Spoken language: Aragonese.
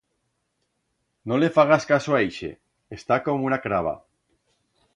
No le fagas caso a ixe, está como una craba.